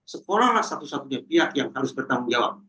sekolahlah satu satunya pihak yang harus bertanggung jawab